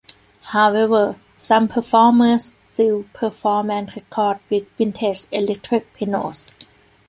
However, some performers still perform and record with vintage electric pianos.